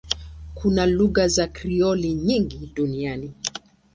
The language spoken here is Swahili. Kuna lugha za Krioli nyingi duniani.